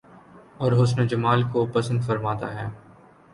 اور حسن و جمال کو پسند فرماتا ہے